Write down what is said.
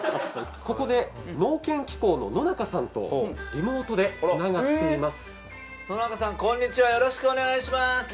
ここで農研機構の野中さんとリモートでつながっています。